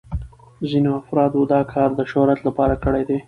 ځینو افرادو دا کار د شهرت لپاره کړی دی.